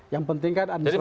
yang penting kan administrasi